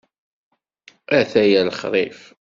Ataya lexrif.